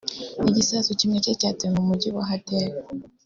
Igisasu kimwe cyari cyatewe mu mujyi wa Hadera